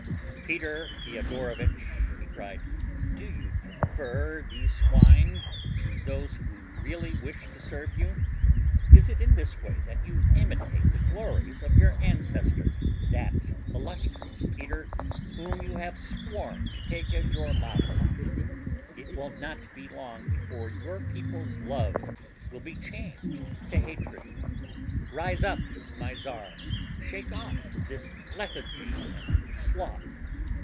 "Peter Feodorovitch," he cried, "do you prefer these swine to those who really wish to serve you? Is it in this way that you imitate the glories of your ancestor, that illustrious Peter whom you have sworn to take as your model? It will not be long before your people's love will be changed to hatred. Rise up, my Czar! Shake off this lethargy and sloth.